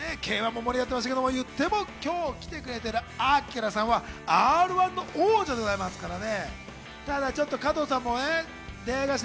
Ｋ−１も盛り上がっていましたけど、今日来てくれているアキラさんはＲー１の王者でございますからね。